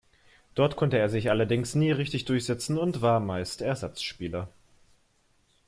Dort konnte er sich allerdings nie richtig durchsetzen und war meist Ersatzspieler.